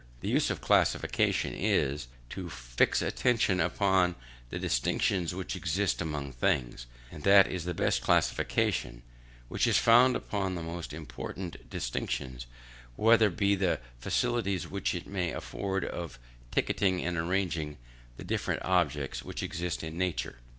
The use of classification is, to fix attention upon the distinctions which exist among things; and that is the best classification, which is founded upon the most important distinctions, whatever be the facilities which it may afford of ticketing and arranging the different objects which exist in nature.